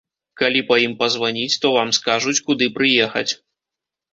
Калі па ім пазваніць, то вам скажуць, куды прыехаць.